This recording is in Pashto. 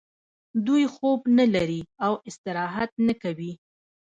دوی خوب نلري او استراحت نه کوي